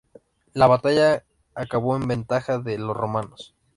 La batalla acabó en ventaja de los romanos.